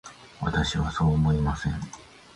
私はそうは思いません。